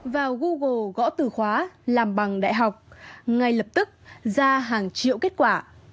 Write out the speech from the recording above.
vào google gõ từ khóa làm bằng đại học ngay lập tức ra hàng triệu kết quả